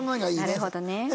なるほどね。